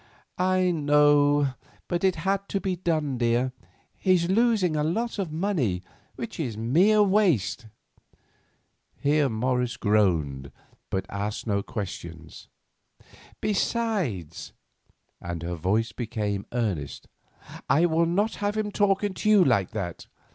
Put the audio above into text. "I know; but it had to be done, dear. He's losing a lot of money, which is mere waste"—here Morris groaned, but asked no questions—"besides," and her voice became earnest, "I will not have him talking to you like that.